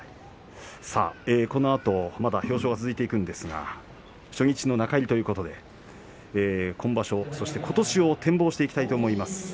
このあと表彰が続いていきますけれど初日の中入りということで今場所ことしを展望していきたいと思います。